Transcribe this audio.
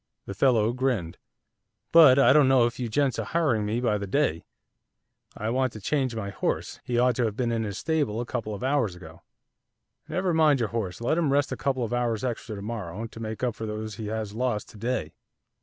The fellow grinned. 'But I don't know if you gents are hiring me by the day, I want to change my horse; he ought to have been in his stable a couple of hours ago.' 'Never mind your horse, let him rest a couple of hours extra to morrow to make up for those he has lost to day.